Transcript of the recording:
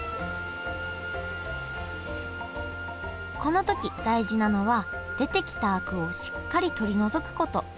この時大事なのは出てきたアクをしっかり取り除くこと。